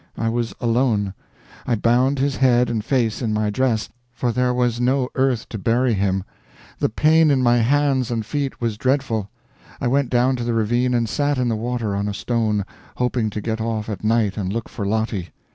I was alone. I bound his head and face in my dress, for there was no earth to bury him. The pain in my hands and feet was dreadful. I went down to the ravine, and sat in the water on a stone, hoping to get off at night and look for Lottie.